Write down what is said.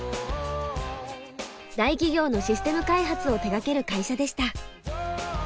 大企業のシステム開発を手がける会社でした。